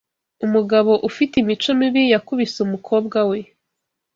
Umugabo ufite imico mibi yakubise umukobwa we.